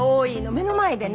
目の前でね